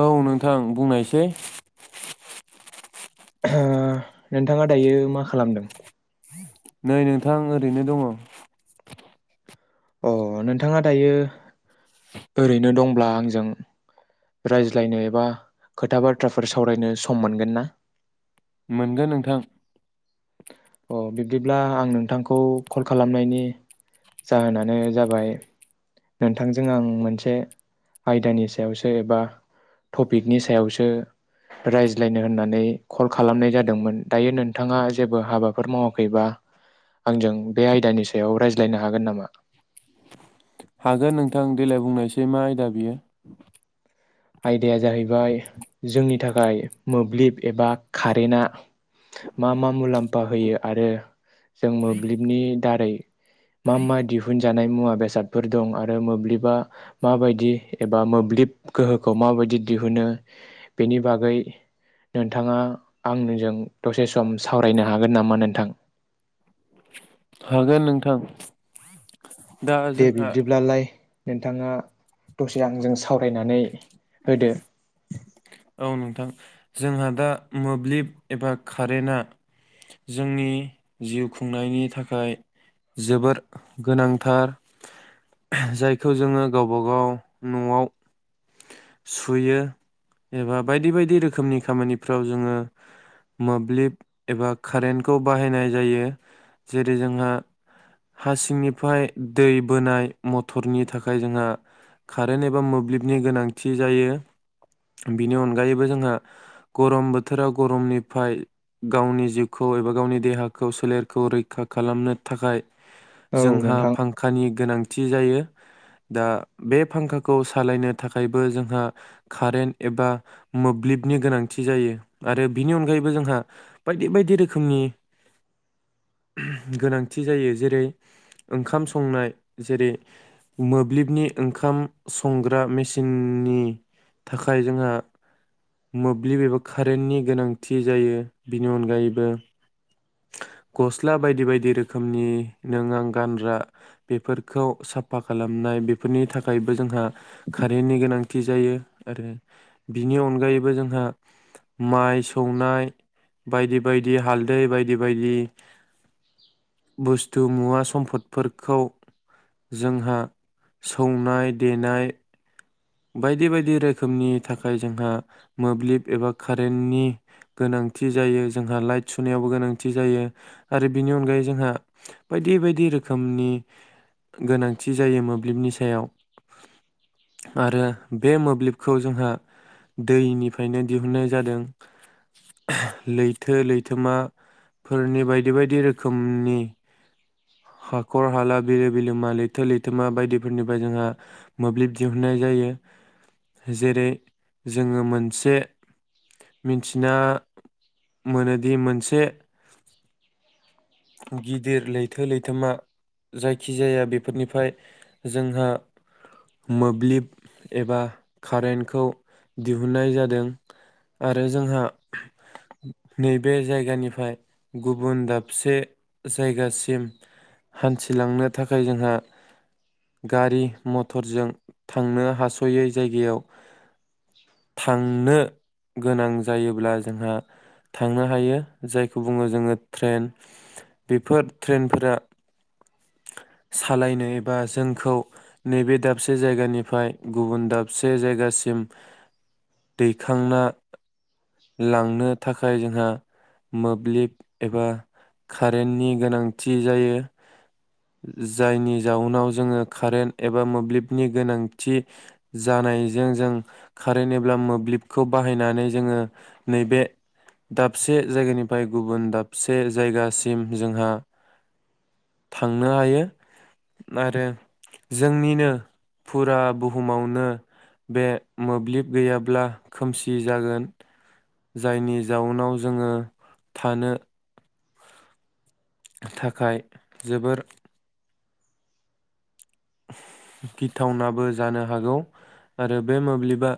औ नोंथां बुंनायसै। ओ नोंथाङा दायो मा खालामदों? नै नोंथां ओरैनो दङ। अ नोंथाङा दायो ओरैनो दंब्ला आंजों रायज्लायनो एबा खोथा बाथ्राफोर सावरायनो सम मोनगोन ना? मोनगोन नोंथां। अ बिब्दिब्ला आं नोंथांखौ खल खालामनायनि जाहोनानो जाबाय नोंथांजों आं मोनसे आयदानि सायावसो एबा टपिकनि सायावसो रायज्लायनो होननानै खल खालामनाय जादोंमोन दायो नोंथाङा जेबो हाबाफोर मावाखैबा आंजों बे आयदानि सायाव रायज्लायनो हागोन नामा? हागोन नोंथां देलाय बुंनायसै मा आयदा बियो। आयदाया जाहैबाय जोंनि थाखाय मोब्लिब एबा कारेन्टआ मा मा मुलाम्फा होयो आरो जों मोब्लिबनि दारै मा मा दिहुन जानाय मुवा बेसादफोर दं आरो मोब्लिबा माबायदि एबा मोब्लिब गोहोखौ माबायदि दिहुनो बेनि बागै नोंथाङा आंजों दसे सम सावरायनो हागोन नामा नोंथां। हागोन नोंथां। दा दे जोंहा बिब्दिब्लालाय। नोंथाङा दसे आंजों सावरायनानै। होदो औ नोंथां जोंहा दा मोब्लिब एबा कारेन्टआ जोंनि जिउ खुंनायनि थाखाय जोबोर गोनांथार जायखौ जोङो गावबा गाव न'आव सुयो एबा बायदि बायदि रोखोमनि खामानिफ्राव जोङो मोब्लिब एबा कारेन्टखौ बाहायनाय जायो जेरै जोंहा हा सिंनिफ्राय दै बोनाय मटरनि थाखाय जोंहा कारेन्ट एबा मोब्लिबनि गोनांथि जायो। बिनि अनगायैबो जोंहा गरम बोथोराव गरमनिफ्राय गावनि जिउखौ एबा गावनि देहाखौ सोलेरखौ रैखा खालामनो थाखाय औ जोंहा नोंथां फांखानि गोनांथि जायो दा बे फांखाखौ सालायनो थाखायबो जोंहा कारेन्ट एबा मोब्लिबनि गोनांथि जायो आरो बिनि अनगायैबो जोंहा बायदि बायदि रोखोमनि गोनांथि जायो जेरै ओंखाम संनाय जेरै मोब्लिबनि ओंखाम संग्रा मेसिननि थाखाय थाखाय जोंहा मोब्लिब बेबा कारेन्टनि गोनांथि जायो बेनि अनगायैबो गस्ला बायदि बायदि रोखोमनि नों आं गानग्रा बेफोरखौ साफा खालामनाय बेफोरनि थाखायबो जोंहा कारेन्टनि गोनांथि जायो आरो बिनि अनगायैबो जोंहा माइ सौनाय बायदि बायदि हालदै बायदि बायदि बुस्थु मुवा सम्फदफोरखौ जोंहा सौनाय देनाय बायदि बायदि रोखोमनि थाखाय जोंहा मोब्लिब एबा कारेन्टनि गोनांथि जायो जोंहा लाइट सुनायावबो गोनांथि जायो आरो बिनि अनगायै जोंहा बायदि बायदि रोखोमनि गोनांथि जायो मोब्लिबनि सायाव आरो बे मोब्लिबखौ जोंहा दैनिफ्रायनो दिहुननाय जादों लैथो लैथोमाफोरनि बायदि बायदि रोखोमनि हाखर हाला बिलो बिलोमा लैथो लैथोमा बायदिफोरनिफ्राय जोंहा मोब्लिब दिहुन होननाय जायो जेरै जोङो मोनसे मिथिना मोनोदि मोनसे गिदिर लैथो लैथोमा जायखिजाया बेफोरनिफ्राय जोंहा मोब्लिब एबा कारेन्टखौ दिहुननाय जादों आरो जोंहा नैबे जायगानिफ्राय गुबुन दाबसे जायगासिम हान्थिलांनो थाखाय जोंहा गारि मथरजों थांनो हासयै जायगायाव थांनो। गोनां जायोब्ला जोंहा थांनो हायो जायखौ बुङो जोङो ट्रेन बेफोर ट्रेनफोरा सालायनो एबा जोंखौ नैबे दाब दाबसे जायगानिफ्राय गुबुन दाबसे जायगासिम दैखांना लांनो थाखाय जोंहा मोब्लिब एबा कारेन्टनि गोनांथि जायो जायनि जाउनाव जोङो कारेन्ट एबा मोब्लिब नि गोनांथि जानायजों जों कारेन्ट एबा मोब्लिबखौ बाहायनानै जोङो नैबे दाबसे जायगानिफ्राय गुबुन दाबसे जायगासिम जोंहा थांनो हायो आरो जोंनिनो फुरा बुहुमावनो बे मोब्लिब गैयाब्ला खोमसि जागोन जायनि जाउनाव जोङो थानो थाखाय जोबोर गिथावनाबो जानो हागौ आरो बे मोब्लिबा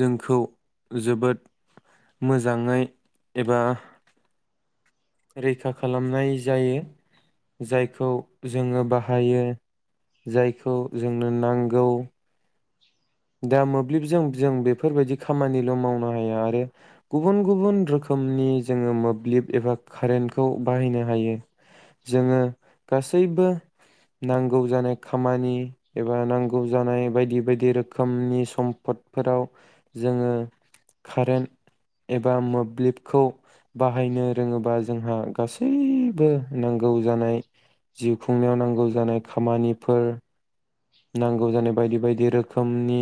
जोंखौ जोबोद मोजाङै एबा रैखा खालामनाय जायो जायखौ जोङो बाहायो जायखौ जोंनो नांगौ दा मोब्लिबजों जों बेफोरबायदि खामानिल' मावनो हाया आरो गुबुन गुबुन रोखोमनि जोङो मोब्लिब एबा कारेन्टखौ बाहायनो हायो जोङो गासैबो नांगौ जानाय खामानि एबा नांगौ जानाय बायदि बायदि रोखोम रोखोमनि सम्पदफोराव जोङो खारोन एबा मोब्लिबखौ बाहायनो रोङोबा जोंहा गासैबो नांगौ जानाय जिउ खुंनायाव नांगौ जानाय खामानिफोर नांगौ जानाय बायदि बायदि रोखोमनि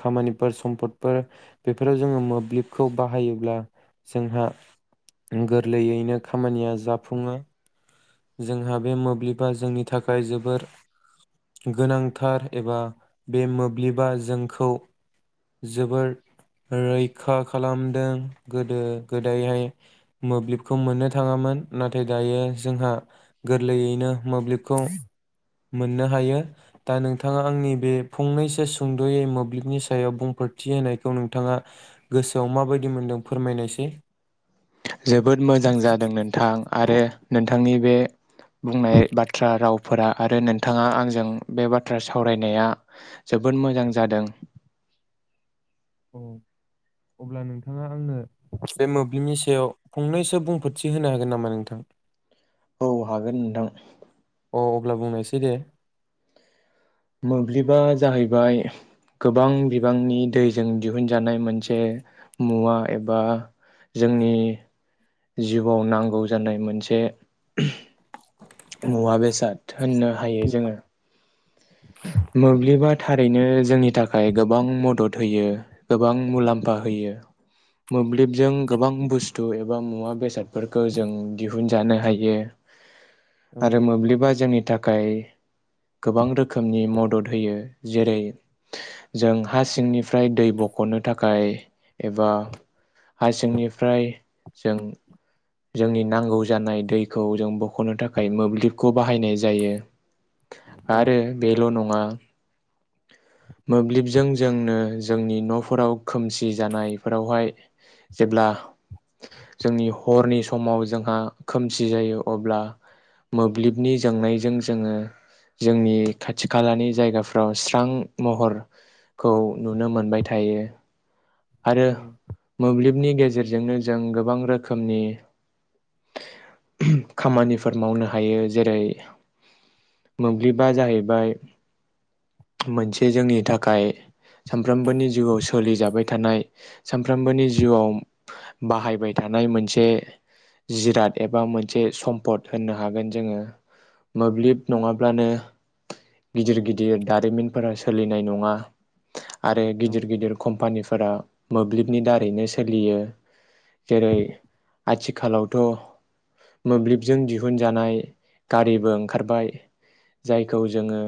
खामानिफोर सम्पदफोर बेफोराव जोङो मोब्लिबखौ बाहायोब्ला जोंहा गोरलैयैनो खामानिया जाफुङो जोंहा बे मोब्लिबा जोंनि थाखाय जोबोर गोनांथार एबा बे मोब्लिबा जोंखौ जोबोर रैखा खालाम दों गोदो गोदोहाय मोब्लिबखौ मोननो थाङामोन नाथाय दायो जोंहा गोरलैयैनो मोब्लिबखौ मोननो हायो दा नोंथाङा आंनि बे फंनैसो सुंद'यै मोब्लिबनि सायाव बुंफोरथि होनायखौ नोंथाङा गोसोआव माबायदि मोनदों फोरमायनायसै? जोबोद मोजां जादों नोंथां आरो नोंथांनि बे बुंनाय बाथ्रा राव फोरा आरो नोंथाङा आंजों बे बाथ्रा सावरायनाया जोबोद मोजां जादों औ अब्ला नोंथाङा आंनो बे मोब्लिबनि सायाव फंनैसो बुंफोरथि होनो हागोन नामा नोंथां औ हागोन नोंथां औ अब्ला बुंनायसै दे मोब्लिबआ जाहैबाय गोबां बिबांनि दैजों दिहुनजानाय मोनसे मुवा एबा जोंनि जिउआव नांगौ जानाय मोनसे मुवा बेसाद होननो हायो जोङो मोब्लिब आ थारैनो जोंनि थाखाय गोबां मदद होयो गोबां मुलाम्फा होयो मोब्लिबजों गोबां बुस्थु एबा मुवा बेसादफोरखौ जों दिहुनजानो हायो औ आरो मोब्लिबा जोंनि थाखाय गोबां रोखोमनि मदद होयो जेरै जों हा सिंनिफ्राय दै बख'नो थाखाय एबा हा सिंनिफ्राय जों जोंनि नांगौ जानाय दैखौ जों बख'नो थाखाय मोब्लिबखौ बाहायनाय जायो औ आरो बेल' नं ङा मोब्लिबजों जोंनो जोंनि न'फोराव खोमसि जानायफोरावहाय जेब्ला जोंनि हरनि समाव जोंहा खोमसि जायो अब्ला मोब्लिबनि जोंनायजों जोङो जोंनि खाथि खालानि जायगाफ्राव स्रां महरखौ नुनो मोनबाय थायो आरो औ मोब्लिबनि गेजेर जोंनो जों गाबां रोखोमनि खामानिफोर मावनो हायो जेरै मोब्लिबआ जाहैबाय मोनसे जोंनि थाखाइ सामफ्रामबोनि जिउआव सोलिजाबाय थानाय सानफ्रामबोनि जिउआव बाहायबाय थानाय मोनसे जिराद एबा मोनसे सम्पद होननो हागोन जोङो मोब्लिब नङाब्लानो गिदिर गिदिर दारिमिनफोरा सोलिनाय नङा आरो औ गिदिर गिदिर कम्पानि मोब्लिबनि दारैनो सोलियो जेरै आथिखालावथ' मोब्लिबजों दिहुनजानाय गारिबो ओंखारबाय जायखौ जोङो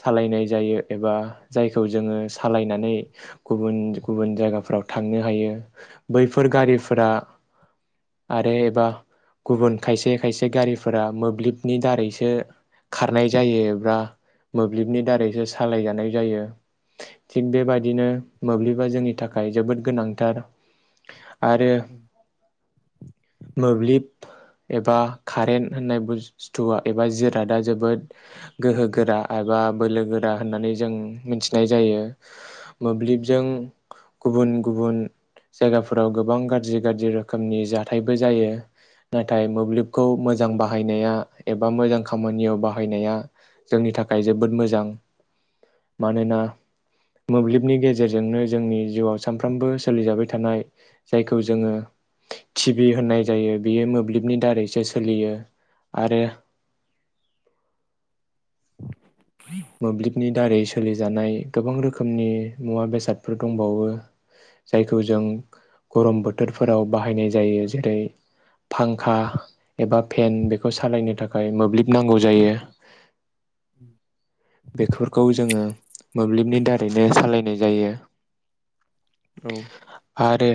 सालायनाय जायो एबा जायखौ जोङो सालायनानै गुबुन गुबुन जायगाफ्राव थांनो हायो बैफोर गारिफोरा आरो एबा गुबुन खायसे खायसे गारिफोरा मोब्लिबनि दारैसो खारनाय जायो एबा मोब्लिबनि दारैसो सालायजानाय जायो थिग बेबदिनो मोब्लिब जोंनि थाखाय जोबोद गोनांथार आरो मोब्लिब एबा कारेन्ट होननाय बुस्थुआ एबा जिरादा जोबोद गोहोगोरा एबा बोलो गोरा होननानै जों मिथिनाय जायो मोब्लिबजों गुबुन गुबुन जायगाफोराव गोबां गाज्रि गाज्रि रोखोमनि जाथायबो जायो नाथाय मोब्लिबखौ मोजां बाहायनाया एबा मोजां खामानियाव बाहायनाया जोंनि थाखाय जोबोद मोजां मानोना मोब्लिबनि गेजेरजोंनो जोंनि जिउआव सानफ्रामबो सोलिजाबाय थानाय जायखौ जोङो टि भि होननाय जायो बियो मोब्लिबनि दारैसो सोलियो आरो मोब्लिबनि दारै सोलिजानाय गोबां रोखोमनि मुवा बेसादफोर दंबावो जायखौ जों गरम बोथोरफोराव बाहायनाय जायो जेरै फांखा एबा फेन बेखौ सालायनो थाखाय मोब्लिब नांगौ जायो उम बेफोरखौ जोङो मोब्लिबनि दारैनो सालायनाय जायो औ आरो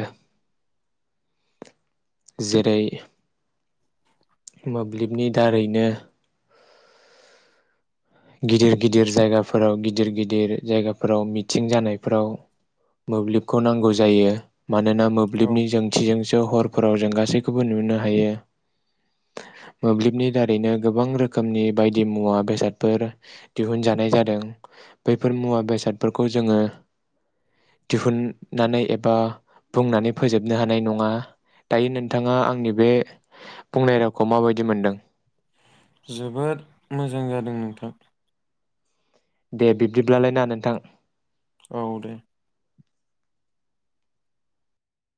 जेरै मोब्लिबनि दारैनो गिदिर गिदिर जायगाफोराव गिदिर गिदिर जायगाफोराव मिथिं जानायफोराव मोब्लिबखौ नांगौ जायो। मानोना औ मोब्लिबनि जोंथिजोंसो हर फोराव जों गासैखौबो नुनो हायो। मोब्लिबनि दारैनो गोबां रोखोमनि बायदि मुवा बेसाद। फोर दिहुनजानाय जादों बैफोर मुवा बेसादफोरखौ जोङो दिहुननानै एबा बुंनानै फोजोबनो हानाय नङा दायो नोंथाङा आंनि बे बुंनाय रावखौ माबायदि मोनदों? जोबोद मोजां जादों नोंथां। दे बिब्दिब्लालाय ना नोंथां। औ दे